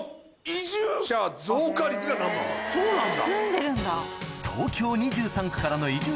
そうなんだ。